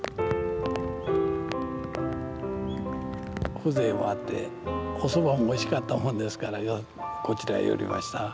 風情があっておそばもおいしかったもんですからこちらに寄りました。